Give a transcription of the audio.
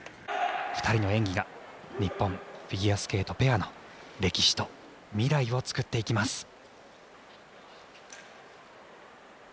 ２人の演技が日本フィギュアスケートペアの歴史と未来を作っていきます。